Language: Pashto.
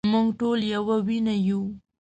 مونږ ټول يوه وينه يو